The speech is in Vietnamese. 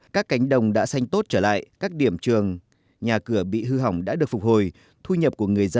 các cánh đồng đã xanh tốt trở lại các điểm trường nhà cửa bị hư hỏng đã được phục hồi